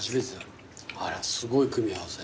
すごい組み合わせ。